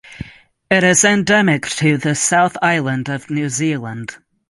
It is endemic to the South Island of New Zealand.